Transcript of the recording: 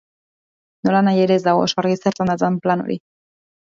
Nolanahi ere, ez dago oso argi zertan datzan plan hori.